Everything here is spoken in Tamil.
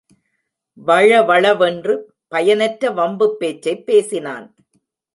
வழவழவென்று பயனற்ற வம்புப் பேச்சைப் பேசினான்.